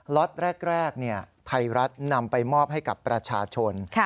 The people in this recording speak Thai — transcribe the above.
ล็อตแรกไทยรัฐนำไปมอบให้กับประชาชน